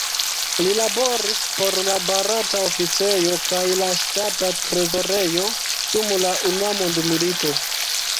Li laboris por la Barata Oficejo kaj la Ŝtata Trezorejo dum la Unua Mondmilito.